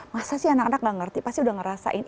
masa sih anak anak gak ngerti pasti udah ngerasain